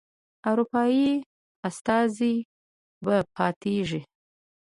اروپایي استازی به پاتیږي.